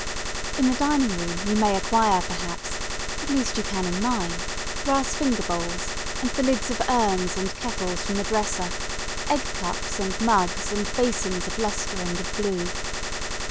In the dining room you may acquire perhaps, at least you can in mine, brass finger bowls, and the lids of urns and kettles from the dresser egg cups and mugs and basins of lustre and of blue.